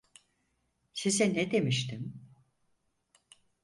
Size ne demiştim?